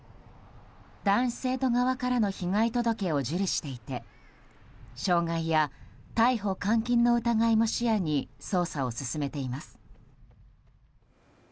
男子生徒側からの被害届を受理していて傷害や逮捕・監禁の疑いも視野に捜査を進めています。